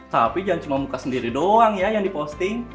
tapi jangan cuma muka sendiri doang ya yang diposting